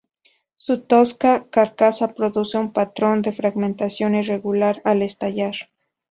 Su tosca carcasa produce un patrón de fragmentación irregular al estallar.